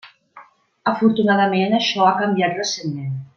Afortunadament això ha canviat recentment.